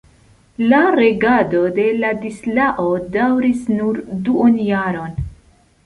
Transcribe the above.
La regado de Ladislao daŭris nur duonjaron.